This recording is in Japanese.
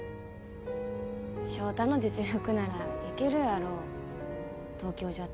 翔太の実力なら行けるやろ東京じゃって